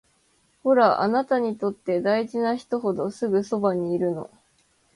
ほら、あなたにとって大事な人ほどすぐそばにいるの